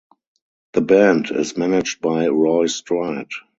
The band is managed by Roy Stride.